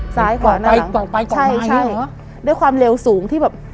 ซ้ายกว่าหน้าหลังด้วยความเร็วสูงที่แบบ